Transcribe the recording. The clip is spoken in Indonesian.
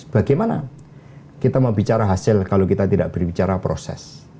bagaimana kita mau bicara hasil kalau kita tidak berbicara proses